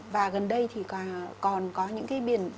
và gần đây thì còn có những cái biển